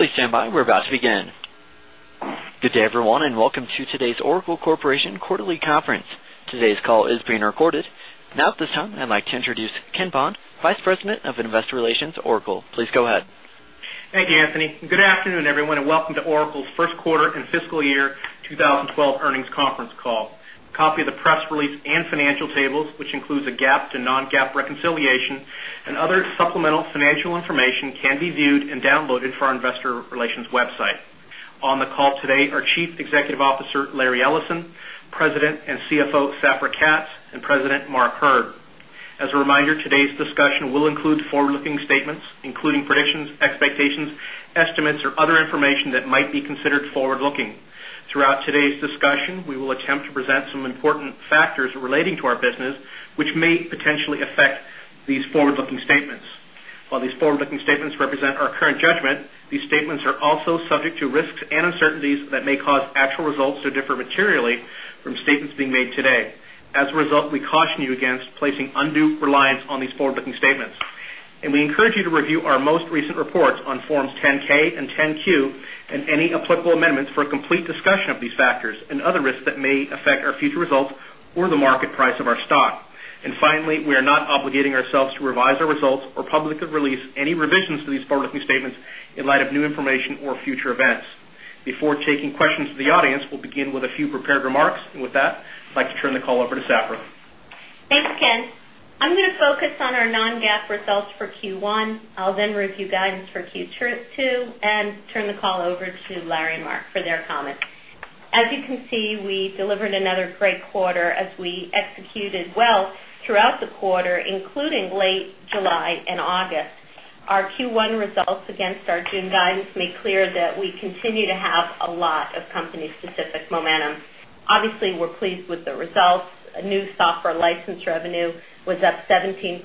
Please stand by. We're about to begin. Good day, everyone, and welcome to today's Oracle Corporation Quarterly Conference. Today's call is being recorded. At this time, I'd like to introduce Ken Bond, Vice President of Investor Relations at Oracle. Please go ahead. Thank you, Anthony. Good afternoon, everyone, and welcome to Oracle's First Quarter and Fiscal Year 2012 Earnings Conference Call. A copy of the press release and financial tables, which includes a GAAP to non-GAAP reconciliation and other supplemental financial information, can be viewed and downloaded from our Investor Relations website. On the call today are Chief Executive Officer Larry Ellison, President and CFO Safra Catz, and President Mark Hurd. As a reminder, today's discussion will include forward-looking statements, including predictions, expectations, estimates, or other information that might be considered forward-looking. Throughout today's discussion, we will attempt to present some important factors relating to our business, which may potentially affect these forward-looking statements. While these forward-looking statements represent our current judgment, these statements are also subject to risks and uncertainties that may cause actual results to differ materially from statements being made today. As a result, we caution you against placing undue reliance on these forward-looking statements. We encourage you to review our most recent reports on Forms 10-K and 10-Q and any applicable amendments for a complete discussion of these factors and other risks that may affect our future results or the market price of our stock. Finally, we are not obligating ourselves to revise our results or publicly release any revisions to these forward-looking statements in light of new information or future events. Before taking questions from the audience, we'll begin with a few prepared remarks. With that, I'd like to turn the call over to Safra. Thanks, Ken. I'm going to focus on our non-GAAP results for Q1. I'll then review guidance for Q2 and turn the call over to Larry and Mark for their comments. As you can see, we delivered another great quarter as we executed well throughout the quarter, including late July and August. Our Q1 results against our June guidance make clear that we continue to have a lot of company-specific momentum. Obviously, we're pleased with the results. New software license revenue was up 17%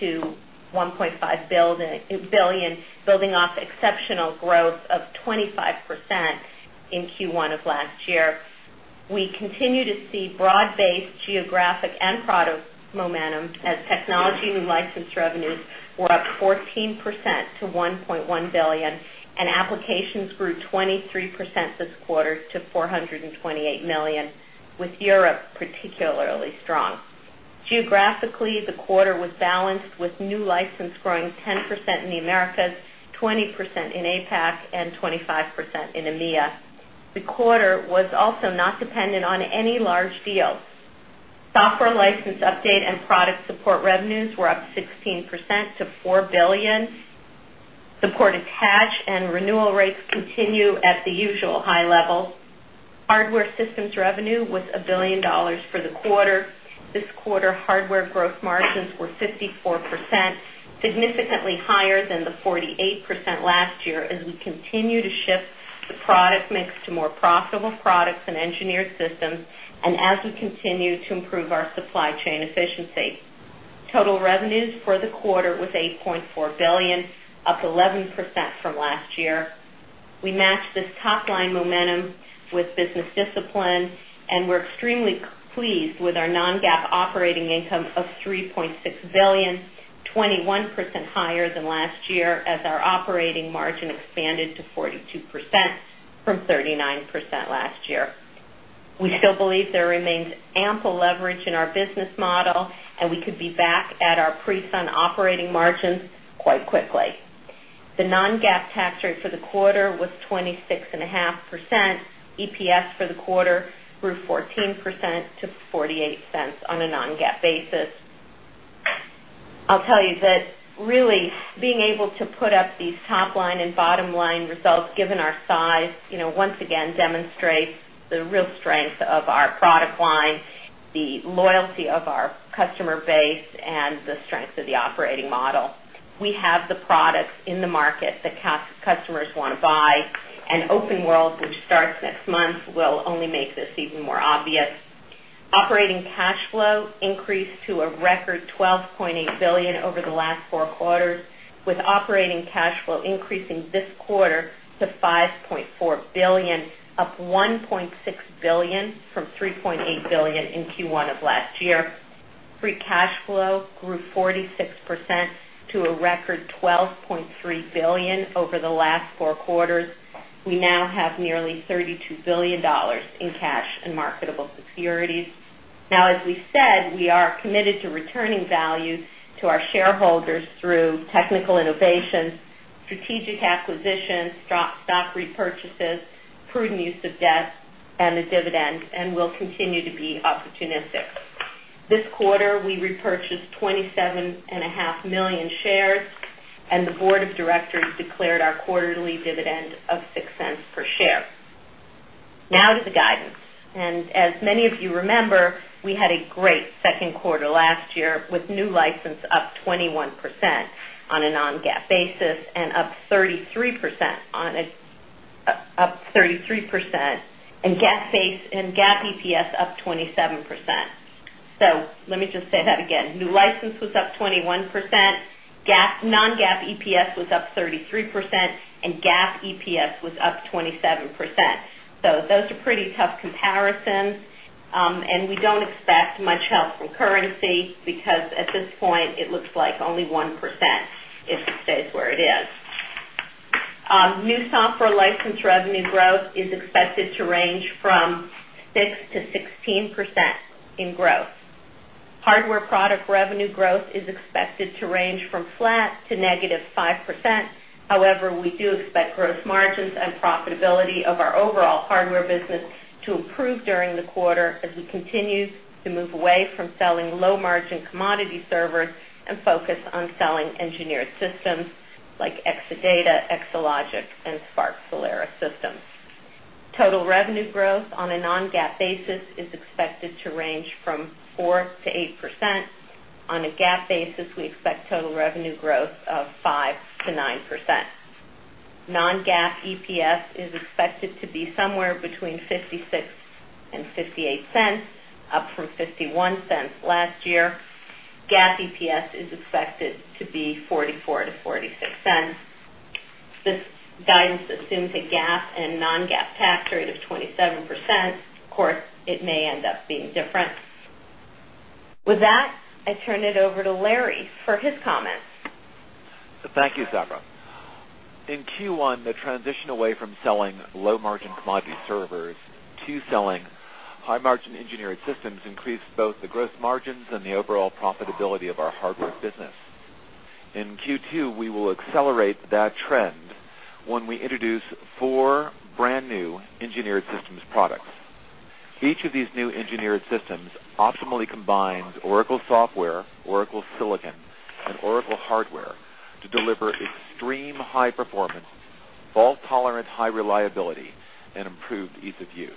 to $1.5 billion, building off exceptional growth of 25% in Q1 of last year. We continue to see broad-based geographic and product momentum as technology new license revenues were up 14% to $1.1 billion, and applications grew 23% this quarter to $428 million, with Europe particularly strong. Geographically, the quarter was balanced with new license growing 10% in the Americas, 20% in APAC, and 25% in EMEA. The quarter was also not dependent on any large deals. Software license update and product support revenues were up 16% to $4 billion. Support cash and renewal rates continue at the usual high levels. Hardware systems revenue was $1 billion for the quarter. This quarter, hardware gross margins were 54%, significantly higher than the 48% last year, as we continue to shift the product mix to more profitable products and engineered systems, and as we continue to improve our supply chain efficiency. Total revenues for the quarter were $8.4 billion, up 11% from last year. We match this top-line momentum with business discipline, and we're extremely pleased with our non-GAAP operating income of $3.6 billion, 21% higher than last year, as our operating margin expanded to 42% from 39% last year. We still believe there remains ample leverage in our business model, and we could be back at our pre-Sun operating margins quite quickly. The non-GAAP tax rate for the quarter was 26.5%. EPS for the quarter grew 14% to $0.48 on a non-GAAP basis. I'll tell you that, really, being able to put up these top-line and bottom-line results, given our size, once again demonstrates the real strength of our product line, the loyalty of our customer base, and the strength of the operating model. We have the products in the market that customers want to buy, and OpenWorld, which starts next month, will only make this even more obvious. Operating cash flow increased to a record $12.8 billion over the last four quarters, with operating cash flow increasing this quarter to $5.4 billion, up $1.6 billion from $3.8 billion in Q1 of last year. Free cash flow grew 46% to a record $12.3 billion over the last four quarters. We now have nearly $32 billion in cash and marketable securities. As we said, we are committed to returning value to our shareholders through technical innovations, strategic acquisitions, stock repurchases, prudent use of debt, and a dividend, and will continue to be opportunistic. This quarter, we repurchased 27.5 million shares, and the Board of Directors declared our quarterly dividend of $0.06 per share. Now to the guidance. As many of you remember, we had a great second quarter last year with new license up 21% on a non-GAAP basis and up 33% on [non-GAAP basis], and GAAP EPS up 27%. Let me just say that again. New license was up 21%, non-GAAP EPS was up 33%, and GAAP EPS was up 27%. Those are pretty tough comparisons. We do not expect much else from currency because, at this point, it looks like only 1% if it stays where it is. New software license revenue growth is expected to range from 6%-16% in growth. Hardware product revenue growth is expected to range from flat to -5%. However, we do expect gross margins and profitability of our overall hardware business to improve during the quarter as we continue to move away from selling low-margin commodity servers and focus on selling engineered systems like Exadata, Exalogic, and SPARC Solaris systems. Total revenue growth on a non-GAAP basis is expected to range from 4%-8%. On a GAAP basis, we expect total revenue growth of 5%-9%. Non-GAAP EPS is expected to be somewhere between $0.56 and $0.58, up from $0.51 last year. GAAP EPS is expected to be $0.44-$0.46. This guidance assumes a GAAP and non-GAAP tax rate of 27%. Of course, it may end up being different. With that, I turn it over to Larry for his comments. Thank you, Safra. In Q1, the transition away from selling low-margin commodity servers to selling high-margin engineered systems increased both the gross margins and the overall profitability of our hardware business. In Q2, we will accelerate that trend when we introduce four brand new engineered systems products. Each of these new engineered systems optimally combines Oracle software, Oracle silicon, and Oracle hardware to deliver extreme high performance, fault-tolerant high reliability, and improved ease of use.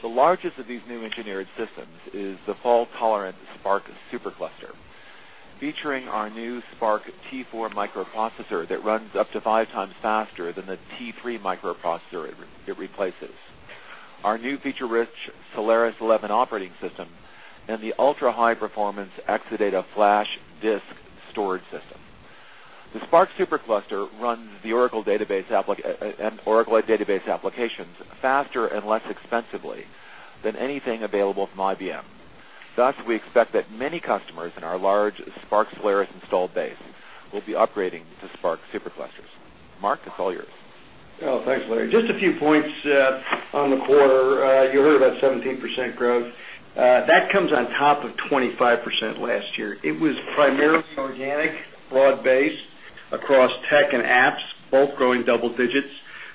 The largest of these new engineered systems is the fault-tolerant SPARC SuperCluster, featuring our new SPARC T4 microprocessor that runs up to 5x faster than the T3 microprocessor it replaces, our new feature-rich Solaris 11 operating system, and the ultra-high-performance Exadata flash disk storage system. The SPARC SuperCluster runs the Oracle Database applications faster and less expensively than anything available from IBM. Thus, we expect that many customers in our large SPARC Solaris installed base will be upgrading to SPARC SuperClusters. Mark, it's all yours. Thanks, Larry. Just a few points on the quarter. You heard about 17% growth. That comes on top of 25% last year. It was primarily organic, broad-based across tech and apps, both growing double digits.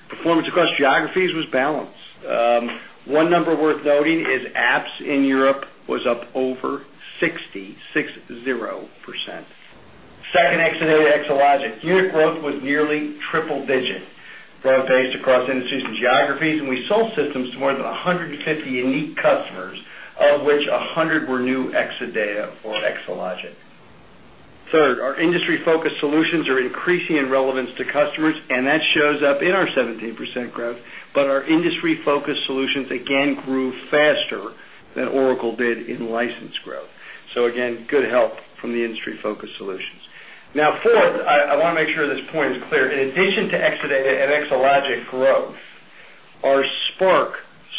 Performance across geographies was balanced. One number worth noting is apps in Europe was up over //60%, 6-0%. Second, Exadata and Exalogic. Unit growth was nearly triple digit growth based across industries and geographies. We sold systems to more than 150 unique customers, of which 100 were new Exadata or Exalogic. Third, our industry-focused solutions are increasing in relevance to customers, and that shows up in our 17% growth. Our industry-focused solutions again grew faster than Oracle did in license growth. Again, good health from the industry-focused solutions. Fourth, I want to make sure this point is clear. In addition to Exadata and Exalogic growth, our SPARC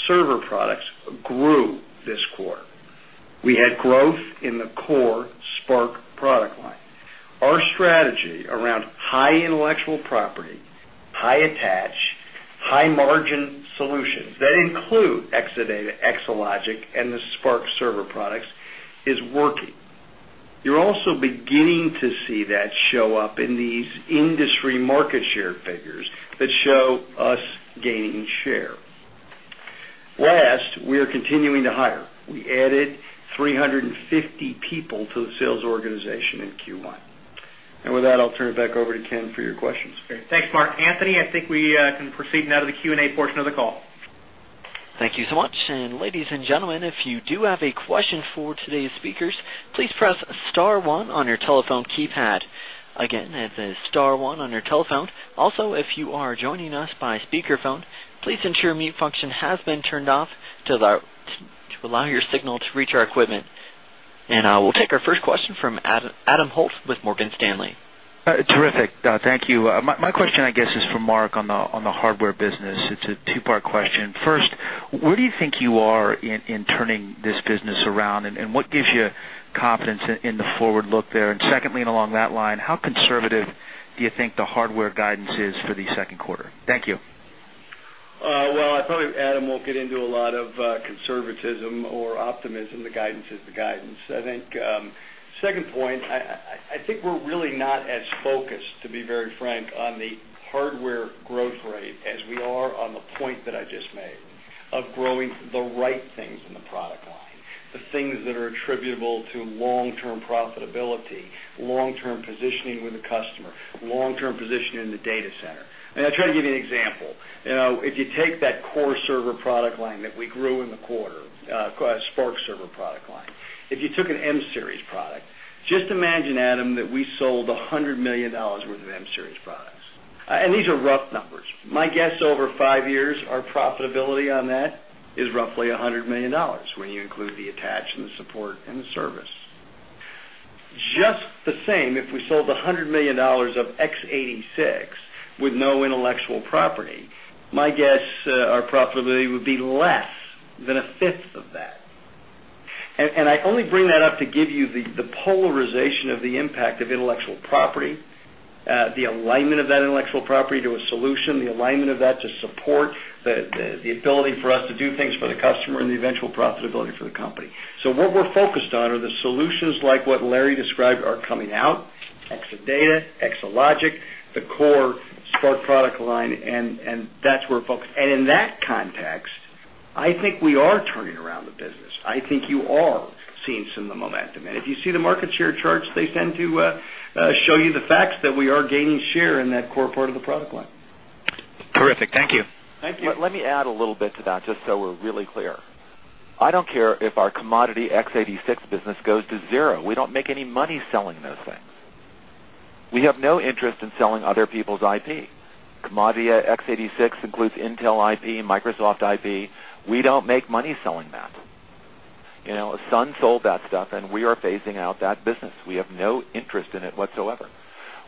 server products grew this quarter. We had growth in the core SPARC product line. Our strategy around high intellectual property, high attach, high margin solutions that include Exadata, Exalogic, and the SPARC server products is working. You're also beginning to see that show up in these industry market share figures that show us gaining share. Last, we are continuing to hire. We added 350 people to the sales organization in Q1. With that, I'll turn it back over to Ken for your questions. Thanks, Mark. Anthony, I think we can proceed now to the Q&A portion of the call. Thank you so much. Ladies and gentlemen, if you do have a question for today's speakers, please press star one on your telephone keypad. Again, that is star one on your telephone. If you are joining us by speakerphone, please ensure the mute function has been turned off to allow your signal to reach our equipment. We'll take our first question from Adam Holt with Morgan Stanley. Terrific. Thank you. My question, I guess, is for Mark on the hardware business. It's a two-part question. First, where do you think you are in turning this business around? What gives you confidence in the forward look there? Secondly, along that line, how conservative do you think the hardware guidance is for the second quarter? Thank you. I [thought] Adam we'll get into a lot of conservatism or optimism. The guidance is the guidance, I think. Second point, I think we're really not as focused, to be very frank, on the hardware growth rate as we are on the point that I just made of growing the right things in the product line, the things that are attributable to long-term profitability, long-term positioning with the customer, long-term positioning in the data center. I'll try to give you an example. If you take that core server product line that we grew in the quarter, a SPARC server product line, if you took an M-series product, just imagine, Adam, that we sold $100 million worth of M-series products. These are rough numbers. My guess over five years, our profitability on that is roughly $100 million when you include the attach and the support and the service. Just the same, if we sold $100 million of x86 with no intellectual property, my guess our profitability would be less than a fifth of that. I only bring that up to give you the polarization of the impact of intellectual property, the alignment of that intellectual property to a solution, the alignment of that to support the ability for us to do things for the customer and the eventual profitability for the company. What we're focused on are the solutions like what Larry described are coming out: Exadata, Exalogic, the core SPARC product line. That's where we're focused. In that context, I think we are turning around the business. I think you are seeing some of the momentum. If you see the market share charts, they tend to show you the facts that we are gaining share in that core part of the product line. Terrific. Thank you. Thank you. Let me add a little bit to that, just so we're really clear. I don't care if our commodity x86 business goes to zero. We don't make any money selling those things. We have no interest in selling other people's IP. Commodity x86 includes Intel IP, Microsoft IP. We don't make money selling that. You know, Sun sold that stuff, and we are phasing out that business. We have no interest in it whatsoever.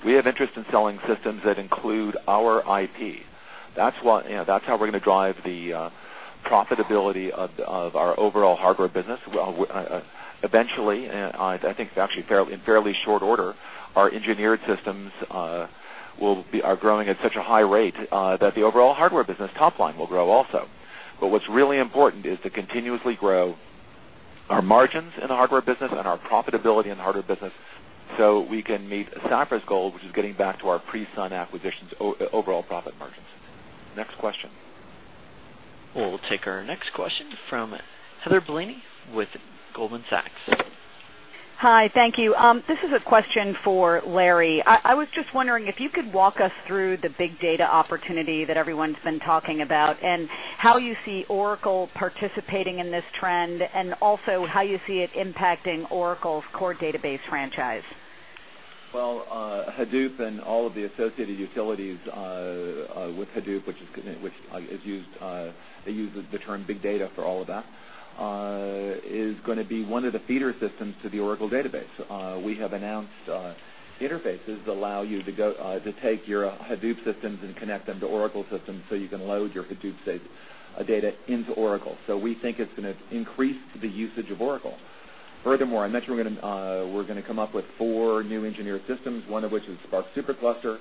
We have interest in selling systems that include our IP. That's how we're going to drive the profitability of our overall hardware business. Eventually, I think it's actually in fairly short order, our engineered systems are growing at such a high rate that the overall hardware business top line will grow also. What's really important is to continuously grow our margins in the hardware business and our profitability in the hardware business so we can meet Safra's goal, which is getting back to our pre-Sun acquisitions' overall profit margins. Next question. We'll take our next question from Heather Bellini with Goldman Sachs. Hi. Thank you. This is a question for Larry. I was just wondering if you could walk us through the big data opportunity that everyone's been talking about, how you see Oracle participating in this trend, and also how you see it impacting Oracle's core database franchise. Hadoop and all of the associated utilities with Hadoop, which is used—I use the term big data for all of that—is going to be one of the feeder systems to the Oracle database. We have announced interfaces that allow you to take your Hadoop systems and connect them to Oracle systems so you can load your Hadoop data into Oracle. We think it's going to increase the usage of Oracle. Furthermore, I mentioned we're going to come up with four new engineered systems, one of which is about SPARC SuperCluster.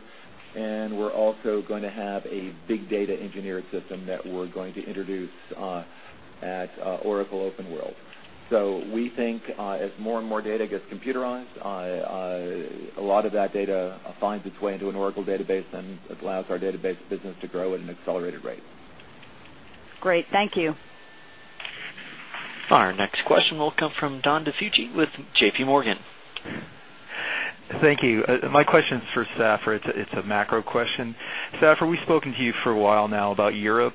We're also going to have a big data engineered system that we're going to introduce at Oracle OpenWorld. We think as more and more data gets computerized, a lot of that data finds its way into an Oracle database and allows our database business to grow at an accelerated rate. Great, thank you. Our next question will come from [Don DiFucci] with JPMorgan. Thank you. My question is for Safra. It's a macro question. Safra, we've spoken to you for a while now about Europe.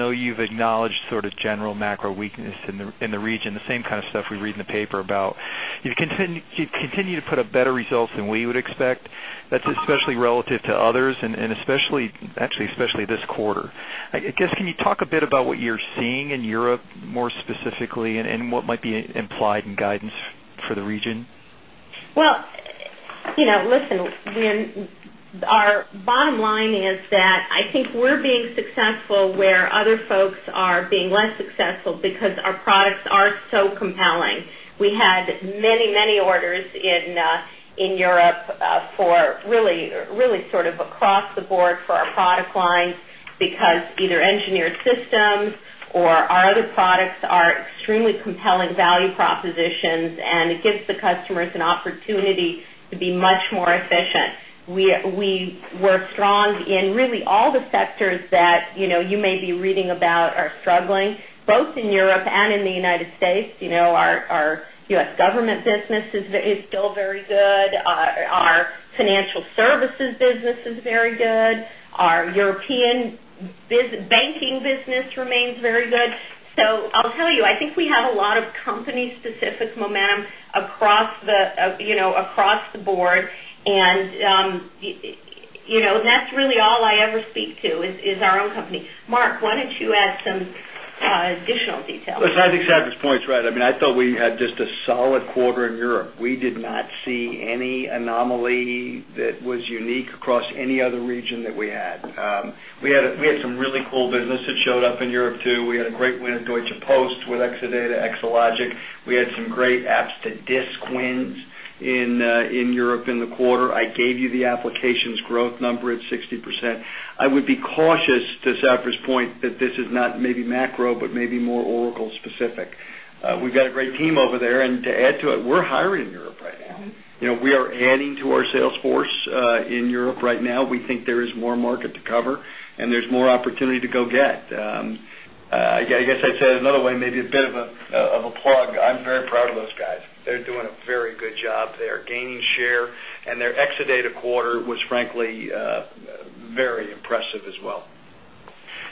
Though you've acknowledged sort of general macro weakness in the region, the same kind of stuff we read in the paper about, you continue to put up better results than we would expect. That's especially relative to others, and actually especially this quarter. I guess, can you talk a bit about what you're seeing in Europe more specifically and what might be implied in guidance for the region? Our bottom line is that I think we're being successful where other folks are being less successful because our products are so compelling. We had many, many orders in Europe really across the board for our product lines because either engineered systems or our other products are extremely compelling value propositions. It gives the customers an opportunity to be much more efficient. We were strong in really all the sectors that you may be reading about are struggling, both in Europe and in the United States. Our government business is still very good. Our financial services business is very good. Our European banking business remains very good. I think we have a lot of company-specific momentum across the board. That's really all I ever speak to is our own company. Mark, why don't you add some additional details? Listen, I think Safra's point is right. I mean, I thought we had just a solid quarter in Europe. We did not see any anomaly that was unique across any other region that we had. We had some really cool business that showed up in Europe too. We had a great, we had Deutsche Post with Exadata, Exalogic. We had some great apps to disk wins in Europe in the quarter. I gave you the applications growth number at 60%. I would be cautious, to Safra's point, that this is not maybe macro, but maybe more Oracle specific. We've got a great team over there. To add to it, we're hiring in Europe right now. We are adding to our sales force in Europe right now. We think there is more market to cover, and there's more opportunity to go get. I guess I'd say another way, maybe a bit of a plug, I'm very proud of those guys. They're doing a very good job. They're gaining share. Their Exadata quarter was, frankly, very impressive as well.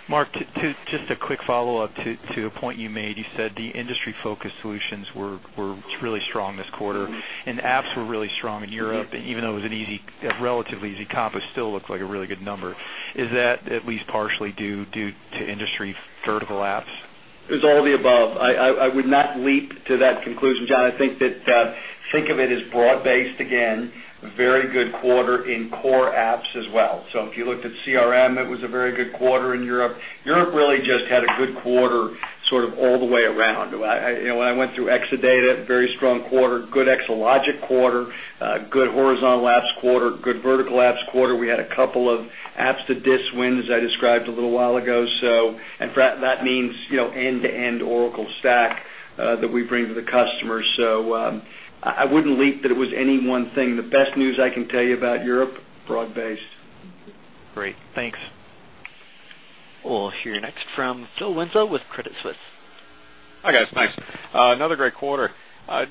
Mark, just a quick follow-up to a point you made. You said the industry-focused solutions were really strong this quarter, and apps were really strong in Europe. Even though it was a relatively easy comp, it still looked like a really good number. Is that at least partially due to industry vertical apps? It was all the above. I would not leap to that conclusion, John. I think that, think of it as broad-based again, very good quarter in core apps as well. If you looked at CRM, it was a very good quarter in Europe. Europe really just had a good quarter all the way around. When I went through Exadata, very strong quarter, good Exalogic quarter, good horizontal apps quarter, good vertical apps quarter. We had a couple of apps to disk wins I described a little while ago. That means end-to-end Oracle stack that we bring to the customers. I wouldn't leap that it was any one thing. The best news I can tell you about Europe, broad-based. Great. Thanks. We'll hear next from Phil Winslow with Credit Suisse. Hi, guys. Thanks. Another great quarter.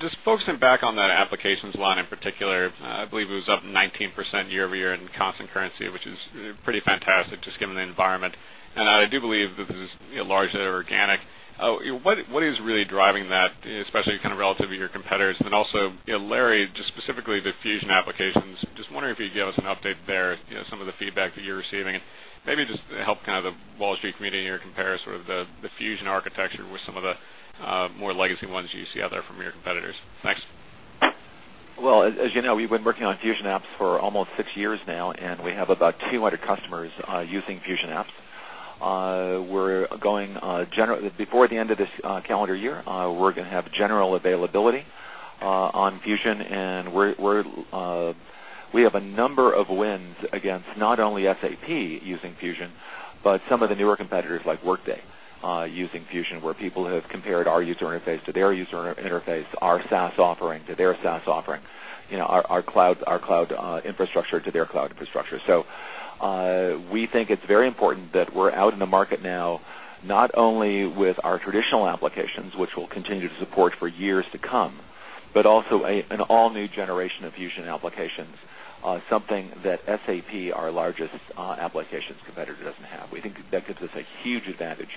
Just focusing back on that applications line in particular, I believe it was up 19% year-over-year in constant currency, which is pretty fantastic just given the environment. I do believe that this is largely organic. What is really driving that, especially kind of relative to your competitors? Larry, just specifically the Fusion Applications, just wondering if you could give us an update there, some of the feedback that you're receiving, and maybe just help kind of the Wall Street community here compare sort of the Fusion architecture with some of the more legacy ones you see out there from your competitors. Thanks. As you know, we've been working on Fusion Apps for almost six years now, and we have about 200 customers using Fusion Apps. Before the end of this calendar year, we're going to have general availability on Fusion. We have a number of wins against not only SAP using Fusion, but some of the newer competitors like Workday using Fusion, where people have compared our user interface to their user interface, our SaaS offering to their SaaS offering, our cloud infrastructure to their cloud infrastructure. We think it's very important that we're out in the market now, not only with our traditional applications, which we'll continue to support for years to come, but also an all-new generation of Fusion Applications, something that SAP, our largest applications competitor, doesn't have. We think that gives us a huge advantage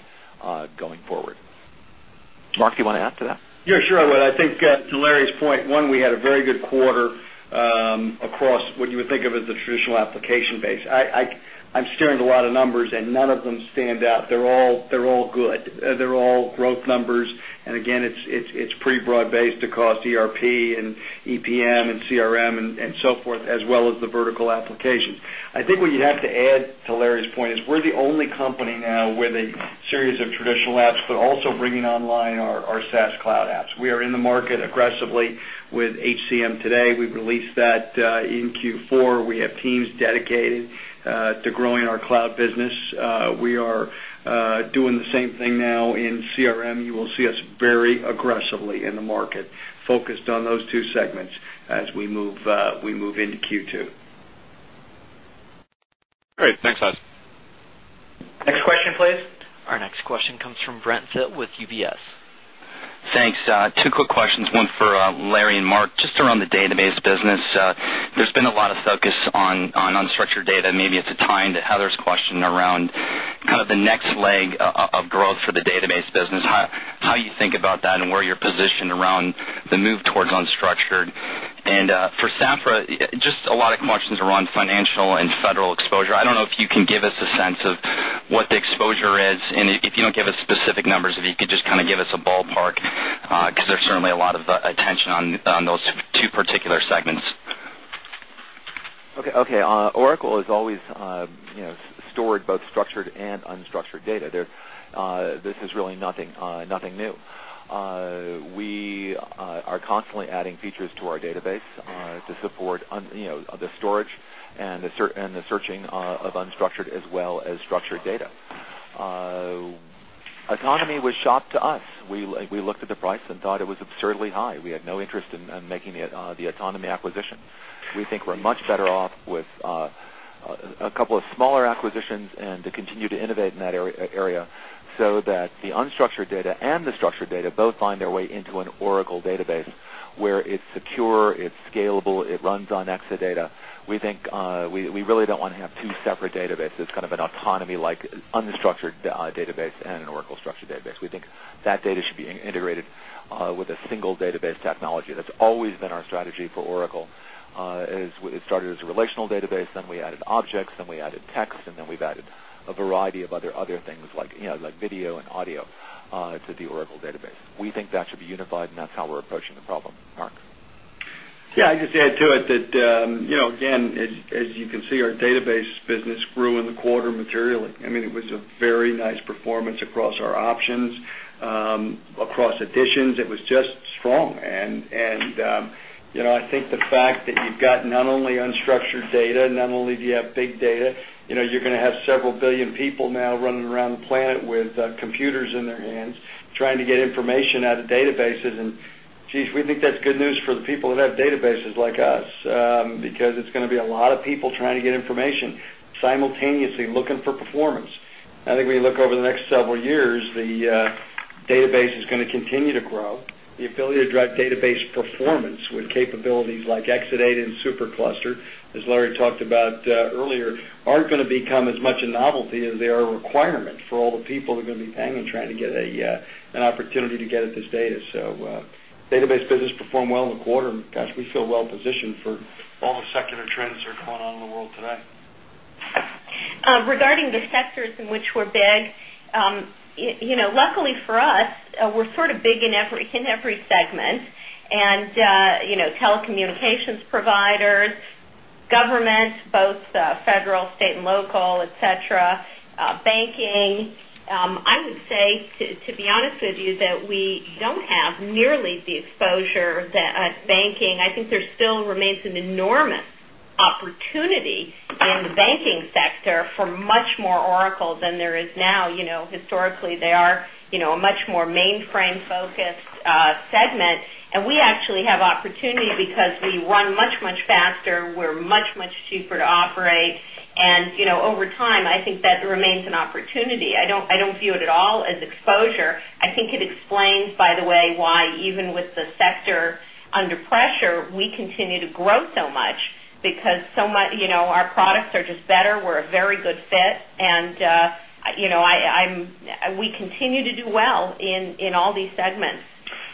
going forward. Mark, do you want to add to that? Yeah, sure I would. I think to Larry's point, one, we had a very good quarter across what you would think of as a traditional application base. I'm staring at a lot of numbers, and none of them stand out. They're all good. They're all growth numbers. It's pretty broad-based across ERP and EPM and CRM and so forth, as well as the vertical application. I think what you'd have to add to Larry's point is we're the only company now with a series of traditional apps, but also bringing online our SaaS cloud apps. We are in the market aggressively with HCM today. We released that in Q4. We have teams dedicated to growing our cloud business. We are doing the same thing now in CRM. You will see us very aggressively in the market, focused on those two segments as we move into Q2. All right. Thanks, guys. Next question, please. Our next question comes from Brent Thill with UBS. Thanks. Two quick questions, one for Larry and Mark, just around the database business. There's been a lot of focus on unstructured data. Maybe it's a tie into Heather's question around kind of the next leg of growth for the database business, how you think about that and where you're positioned around the move towards unstructured. For Safra, just a lot of questions around financial and federal exposure. I don't know if you can give us a sense of what the exposure is. If you don't give us specific numbers, if you could just kind of give us a ballpark, because there's certainly a lot of attention on those two particular segments. OK. Oracle has always stored both structured and unstructured data. This is really nothing new. We are constantly adding features to our database to support the storage and the searching of unstructured as well as structured data. Autonomy was a shock to us. We looked at the price and thought it was absurdly high. We had no interest in making the Autonomy acquisition. We think we're much better off with a couple of smaller acquisitions and to continue to innovate in that area so that the unstructured data and the structured data both find their way into an Oracle database where it's secure, it's scalable, it runs on Exadata. We think we really don't want to have two separate databases. It's kind of an Autonomy-like unstructured database and an Oracle structured database. We think that data should be integrated with a single database technology. That's always been our strategy for Oracle. It started as a relational database, then we added objects, then we added text, and then we've added a variety of other things, like video and audio, to the Oracle database. We think that should be unified, and that's how we're approaching the problem. Mark? Yeah, I'd just add to it that, again, as you can see, our database business grew in the quarter materially. It was a very nice performance across our options, across editions. It was just strong. I think the fact that you've got not only unstructured data, not only do you have big data, you're going to have several billion people now running around the planet with computers in their hands trying to get information out of databases. Jeez, we think that's good news for the people that have databases like us because it's going to be a lot of people trying to get information simultaneously looking for performance. I think when you look over the next several years, the database is going to continue to grow. The affiliate drive database performance with capabilities like Exadata and SPARC SuperCluster, as Larry talked about earlier, aren't going to become as much a novelty as they are a requirement for all the people that are going to be paying and trying to get an opportunity to get at this data. Database businesses perform well in the quarter. Gosh, we feel well positioned for all the secular trends that are going on in the world today. Regarding the sectors in which we're big, luckily for us, we're sort of big in every segment. Telecommunications providers, governments, both federal, state, and local, banking, I would say, to be honest with you, that we don't have nearly the exposure that U.S. banking. I think there still remains an enormous opportunity in the banking sector for much more Oracle than there is now. Historically, they are a much more mainframe-focused segment. We actually have opportunity because we run much, much faster. We're much, much cheaper to operate. Over time, I think that remains an opportunity. I don't view it at all as exposure. I think it explains, by the way, why even with the sector under pressure, we continue to grow so much because our products are just better. We're a very good fit, and we continue to do well in all these segments.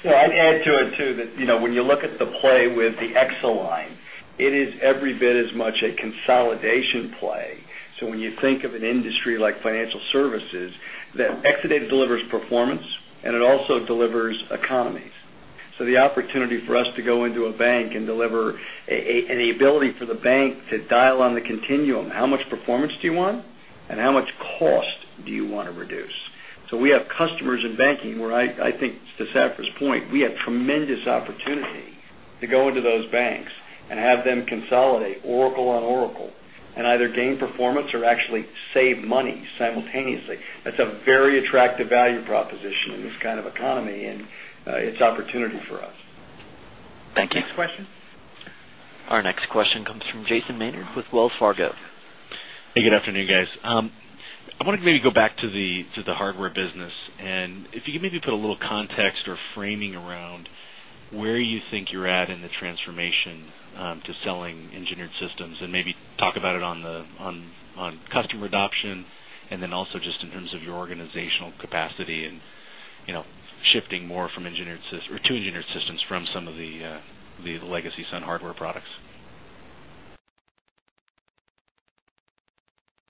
I'd add to it too that when you look at the play with the Exa line, it is every bit as much a consolidation play. When you think of an industry like financial services, Exadata delivers performance, and it also delivers economies. The opportunity for us to go into a bank and deliver, and the ability for the bank to dial on the continuum, how much performance do you want and how much cost do you want to reduce? We have customers in banking where I think, to Safra's point, we have tremendous opportunity to go into those banks and have them consolidate Oracle on Oracle and either gain performance or actually save money simultaneously. That's a very attractive value proposition in this kind of economy, and it's opportunity for us. Thank you. Next question. Our next question comes from Jason Maynard with Wells Fargo. Hey, good afternoon, guys. I want to maybe go back to the hardware business. If you could maybe put a little context or framing around where you think you're at in the transformation to selling engineered systems, maybe talk about it on customer adoption, and also just in terms of your organizational capacity and shifting more to engineered systems from some of the legacy Sun hardware products.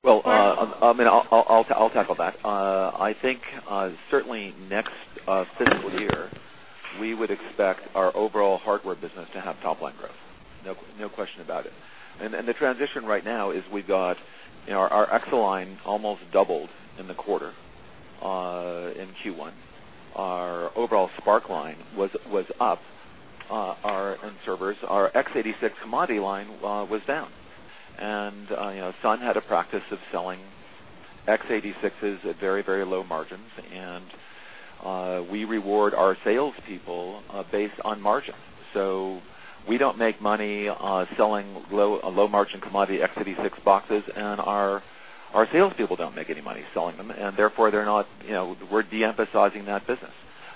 I mean, I'll tackle that. I think certainly next fiscal year, we would expect our overall hardware business to have top-line growth. No question about it. The transition right now is we've got our Exa line almost doubled in the quarter in Q1. Our overall SPARC line was up. Our end servers, our x86 commodity line was down. Sun had a practice of selling x86s at very, very low margins. We reward our salespeople based on margin. We don't make money selling low-margin commodity x86 boxes, and our salespeople don't make any money selling them. Therefore, we're de-emphasizing that business.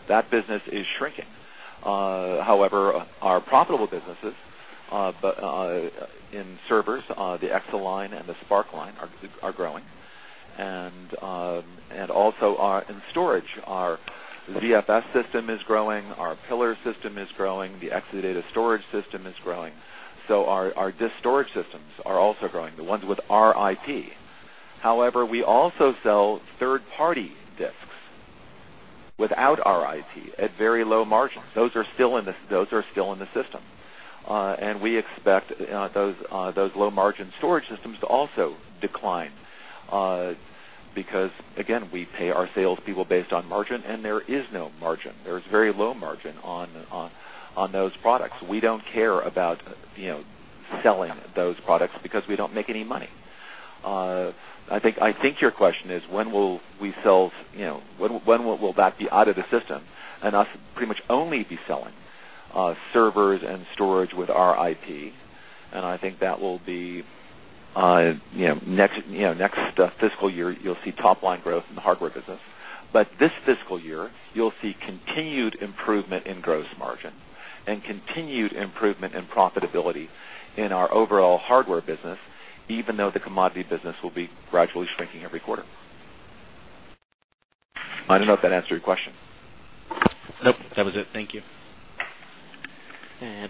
That business is shrinking. However, our profitable businesses in servers, the Exa line and the SPARC line, are growing. Also, in storage, our ZFS system is growing. Our Pillar system is growing. The Exadata storage system is growing. Our disk storage systems are also growing, the ones with our IP. However, we also sell third-party disks without our IP at very low margins. Those are still in the system. We expect those low-margin storage systems to also decline because, again, we pay our salespeople based on margin, and there is very low margin on those products. We don't care about selling those products because we don't make any money. I think your question is, when will we sell? When will that be out of the system and us pretty much only be selling servers and storage with our IP? I think that will be next fiscal year. You'll see top-line growth in the hardware business. This fiscal year, you'll see continued improvement in gross margin and continued improvement in profitability in our overall hardware business, even though the commodity business will be gradually shrinking every quarter. I don't know if that answered your question. Nope, that was it. Thank you.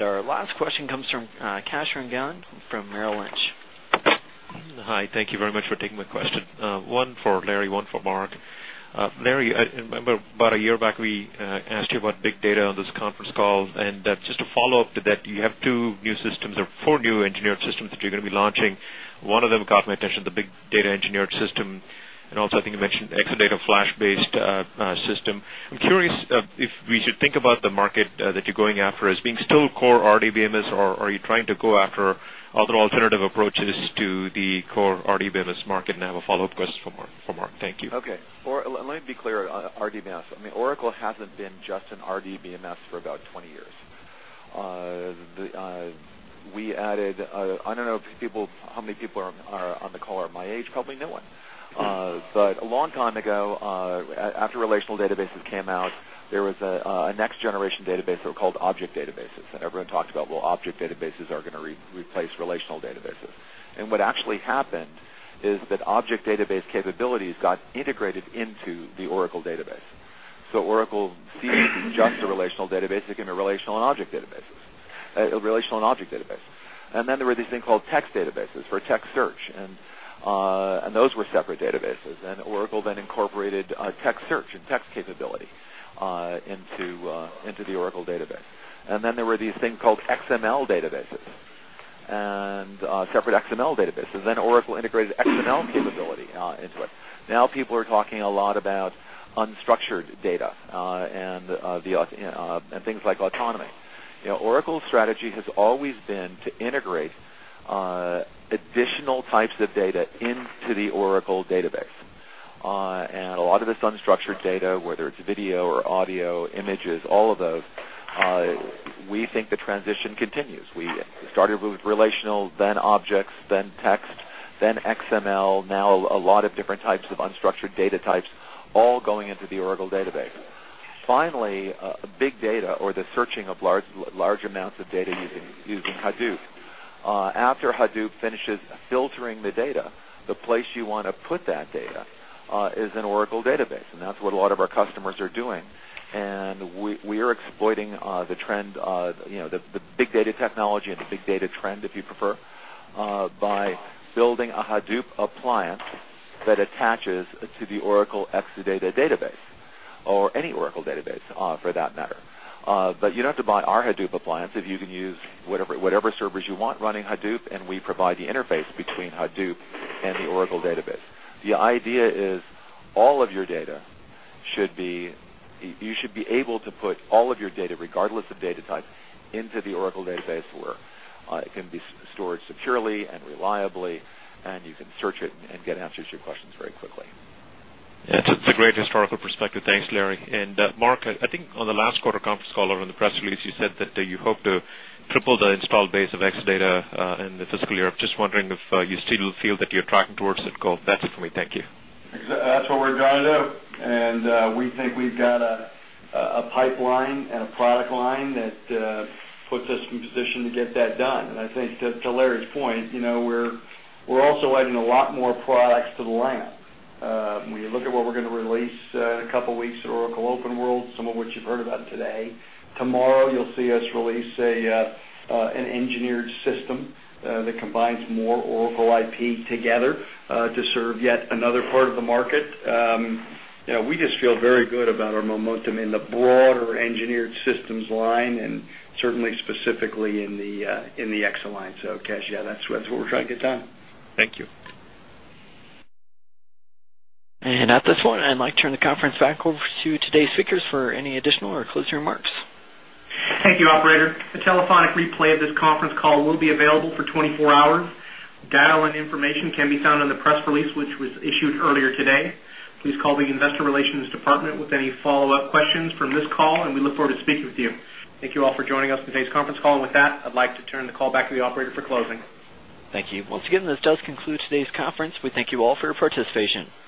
Our last question comes from Kash Rangan from Merrill Lynch. Hi. Thank you very much for taking my question. One for Larry, one for Mark. Larry, I remember about a year back, we asked you about big data on this conference call. Just a follow-up to that, you have two new systems or four new engineered systems that you're going to be launching. One of them caught my attention, the big data engineered system. I think you mentioned Exadata flash-based system. I'm curious if we should think about the market that you're going after as being still core RDBMS, or are you trying to go after other alternative approaches to the core RDBMS market? I have a follow-up question for Mark. Thank you. OK. Let me be clear on RDBMS. Oracle hasn't been just an RDBMS for about 20 years. I don't know how many people on the call are my age, probably no one. A long time ago, after relational databases came out, there was a next-generation database that were called object databases. Everyone talked about object databases are going to replace relational databases. What actually happened is that object database capabilities got integrated into the Oracle database. Oracle is not just a relational database. It can be a relational and object database. There were these things called text databases for text search. Those were separate databases. Oracle then incorporated text search and text capability into the Oracle database. There were these things called XML databases and separate XML databases. Oracle integrated XML capability into it. Now people are talking a lot about unstructured data and things like autonomy. Oracle's strategy has always been to integrate additional types of data into the Oracle database. A lot of this unstructured data, whether it's video or audio, images, all of those, we think the transition continues. We started with relational, then objects, then text, then XML, now a lot of different types of unstructured data types all going into the Oracle database. Finally, big data or the searching of large amounts of data using Hadoop. After Hadoop finishes filtering the data, the place you want to put that data is an Oracle database. That's what a lot of our customers are doing. We are exploiting the trend, the big data technology and the big data trend, if you prefer, by building a Hadoop appliance that attaches to the Oracle Exadata database or any Oracle database, for that matter. You don't have to buy our Hadoop appliance if you can use whatever servers you want running Hadoop. We provide the interface between Hadoop and the Oracle database. The idea is all of your data should be you should be able to put all of your data, regardless of data type, into the Oracle database where it can be stored securely and reliably and you can search it and get answers to your questions very quickly. Yeah, it's a great historical perspective. Thanks, Larry. Mark, I think on the last quarter conference call or on the press release, you said that you hope to triple the install base of Exadata in the fiscal year. I'm just wondering if you still feel that you're tracking towards it. Go ahead. That's it for me. Thank you. That's what we're going to do. We think we've got a pipeline and a product line that puts us in position to get that done. I think, to Larry's point, we're also adding a lot more products to the lineup. When you look at what we're going to release in a couple of weeks at Oracle OpenWorld, some of which you've heard about today, tomorrow you'll see us release an engineered system that combines more Oracle IP together to serve yet another part of the market. We just feel very good about our momentum in the broader engineered systems line and certainly specifically in the Exa line. Kash, that's what we're trying to get done. Thank you. At this point, I'd like to turn the conference back over to today's speakers for any additional or closing remarks. Thank you, operator. A telephonic replay of this conference call will be available for 24 hours. Dial-in information can be found in the press release, which was issued earlier today. Please call the Investor Relations Department with any follow-up questions from this call. We look forward to speaking with you. Thank you all for joining us in today's conference call. I'd like to turn the call back to the operator for closing. Thank you. Once again, this does conclude today's conference. We thank you all for your participation.